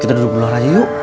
kita duduk luar aja yuk